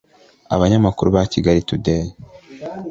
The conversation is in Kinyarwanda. Abanyamakuru ba Kigali Today